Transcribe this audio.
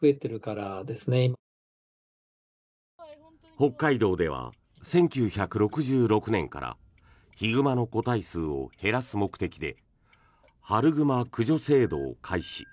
北海道では１９６６年からヒグマの個体数を減らす目的で春グマ駆除制度を開始。